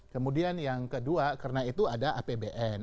kemudian yang kedua karena itu ada apbn